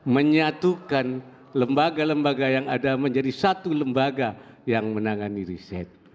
menyatukan lembaga lembaga yang ada menjadi satu lembaga yang menangani riset